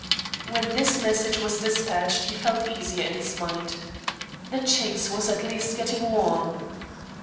When this message was despatched he felt easier in his mind. The chase was at least getting warm.